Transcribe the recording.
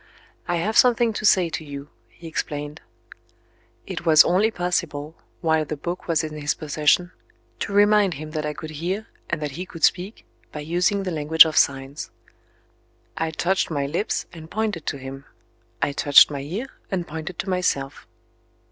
"I have something to say to you," he explained. It was only possible, while the book was in his possession, to remind him that I could hear, and that he could speak, by using the language of signs. I touched my lips, and pointed to him; I touched my ear, and pointed to myself.